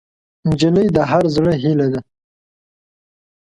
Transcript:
نجلۍ د هر زړه هیلې ده.